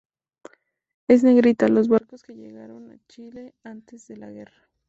En "negrita" los barcos que llegaron a Chile antes de la guerra.